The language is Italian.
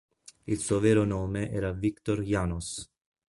Il suo vero nome era Victor János.